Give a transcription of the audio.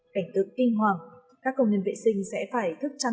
cảnh tức kinh hoàng các công nhân vệ sinh sẽ phải thức trắng